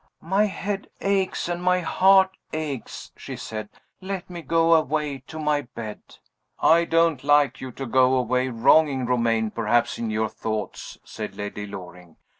"My head aches and my heart aches," she said. "Let me go away to my bed." "I don't like you to go away, wronging Romayne perhaps in your thoughts," said Lady Loring.